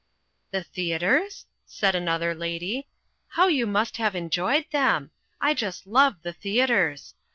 "The theatres?" said another lady. "How you must have enjoyed them. I just love the theatres.